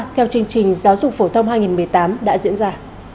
theo chương trình giáo dục phổ thông hai nghìn một mươi tám đã diễn ra